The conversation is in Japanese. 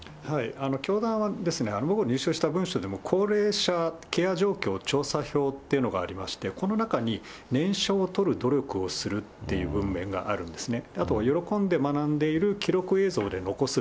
教団は、僕が入手した文書でも高齢者ケア状況調査表というのがありまして、この中に念書を取る努力をするっていう文面があるんですね。